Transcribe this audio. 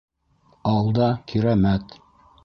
АЛДА - КИРӘМӘТ